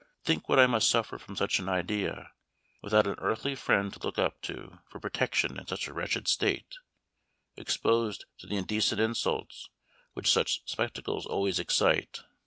think what I must suffer from such an idea, without an earthly friend to look up to for protection in such a wretched state exposed to the indecent insults which such spectacles always excite.